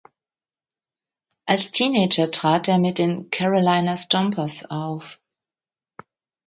Als Teenager trat er mit den "Carolina Stompers" auf.